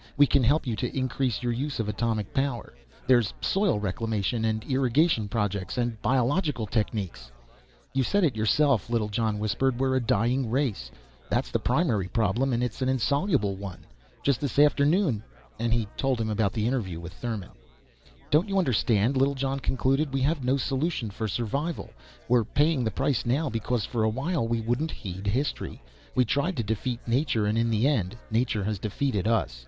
We can help you to increase your use of atomic power. There's soil reclamation and irrigation projects and biological techniques " "You said it yourself," Littlejohn whispered. "We're a dying race. That's the primary problem. And it's an insoluble one. Just this afternoon " And he told him about the interview with Thurmon. "Don't you understand?" Littlejohn concluded. "We have no solution for survival. We're paying the price now because for a while we wouldn't heed history. We tried to defeat Nature and in the end Nature has defeated us.